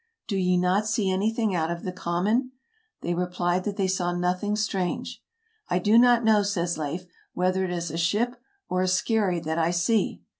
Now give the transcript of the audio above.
Do ye not see anything out of the com mon ?" They replied that they saw nothing strange. " I do not know, '' says Leif, '' whether it is a ship or a skerry that I see."